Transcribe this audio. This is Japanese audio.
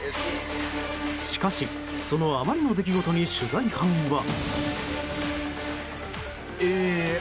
しかし、そのあまりの出来事に取材班は。